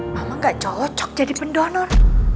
mama gak cocok jadi pendonor